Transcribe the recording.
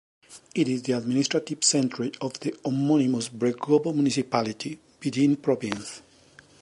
It is the administrative centre of the homonymous Bregovo Municipality, Vidin Province.